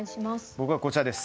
僕はこちらです。